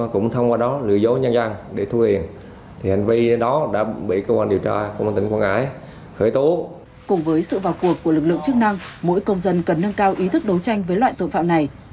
cùng với sự vào cuộc của lực lượng chức năng mỗi công dân cần nâng cao ý thức đấu tranh với loại tội phạm này